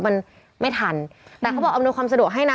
มันไม่ทันแต่เขาบอกอำนวยความสะดวกให้นะ